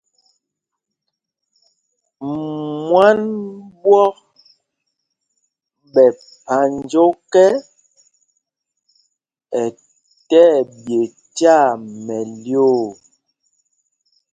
Mwân ɓwɔ̄k ɓɛ̌ phānj ɔ́kɛ, ɛ tí ɛɓye tyaa mɛlyoo.